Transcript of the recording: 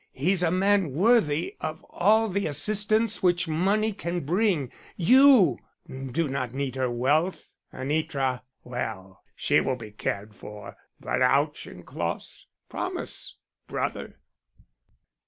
He's a man worthy of all the assistance which money can bring. You do not need her wealth; Anitra well, she will be cared for, but Auchincloss promise brother."